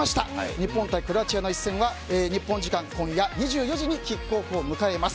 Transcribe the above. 日本対クロアチアの一戦は日本時間今夜２４時にキックオフを迎えます。